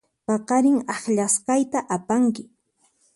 Paqarin akllasqayta apanki.